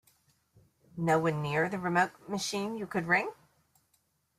No one near the remote machine you could ring?